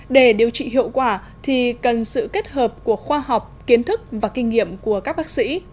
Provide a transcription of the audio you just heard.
để điều trị hiệu quả thì cần sự kết hợp của khoa học kiến thức và kinh nghiệm của các bác sĩ